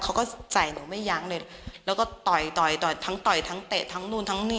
เขาก็ใส่หนุ่มไว้ย้างเลยแล้วก็ต่อยต่อยทั้งเตะทั้งนู่นทั้งนี่